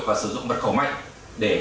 và sử dụng mật khẩu mạnh để